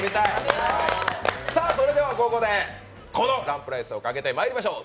それではここでこのランプライスをかけて、まいりましょう。